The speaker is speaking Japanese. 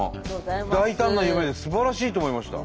大胆な夢ですばらしいと思いました。